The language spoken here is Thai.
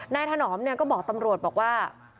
นายถนอมเนี่ยก็บอกตำรวจบอกว่า